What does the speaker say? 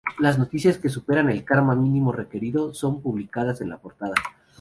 Las noticias que superan el "karma" mínimo requerido son publicadas en la portada.